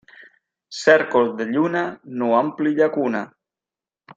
Cèrcol de lluna no ompli llacuna.